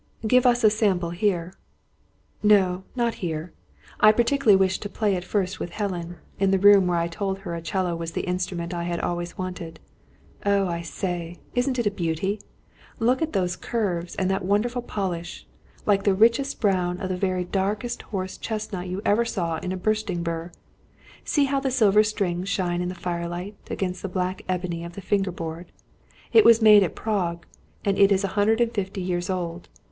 "Give us a sample here." "No, not here. I particularly wish to play it first with Helen, in the room where I told her a 'cello was the instrument I had always wanted. Oh, I say, isn't it a beauty! Look at those curves, and that wonderful polish, like the richest brown of the very darkest horse chestnut you ever saw in a bursting bur! See how the silver strings shine in the firelight, against the black ebony of the finger board! It was made at Prague, and it is a hundred and fifty years old.